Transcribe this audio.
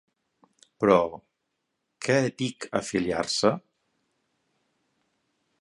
Però, què dic afiliar-se?